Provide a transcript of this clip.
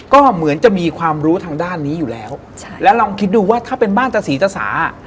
ก็เหมือนจะมีความรู้ทางด้านนี้อยู่แล้วใช่แล้วลองคิดดูว่าถ้าเป็นบ้านตะศรีตะสา